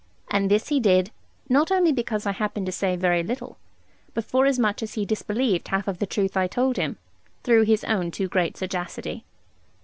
And this he did, not only because I happened to say very little, but forasmuch as he disbelieved half of the truth I told him, through his own too great sagacity.